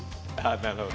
なるほど。